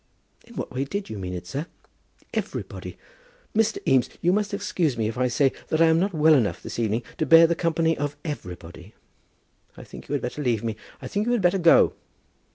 "In what way did you mean it, sir? Everybody! Mr. Eames, you must excuse me if I say that I am not well enough this evening to bear the company of everybody. I think you had better leave me. I think that you had better go."